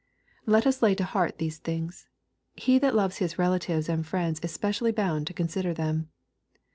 Let us lay to heart these things. He that loves his relatives and friends is specially bound to consider them.